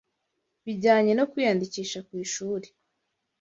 bijyanye no kwiyandikisha kw'ishuri